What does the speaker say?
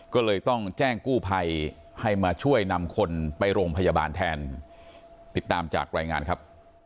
ก็เลยต้องแจ้งกู้ภัยให้มาช่วยนำคนไปโรงพยาบาลแทนติดตามจากรายงานครับ